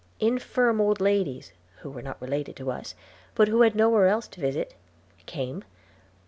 Infirm old ladies, who were not related to us, but who had nowhere else to visit, came.